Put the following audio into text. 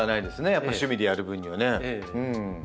やっぱ趣味でやる分にはね。